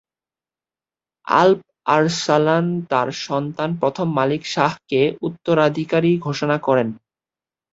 আল্প Arslan তার সন্তান প্রথম মালিক শাহকে উত্তরাধিকারী ঘোষণা করেন।